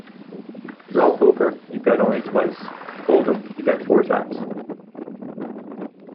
Draw poker, you bet only twice; hold 'em, you bet four times.